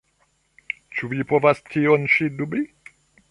Ĉu vi povas tion ĉi dubi?